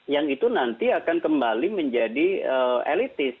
yang itu nanti akan kembali menjadi elitis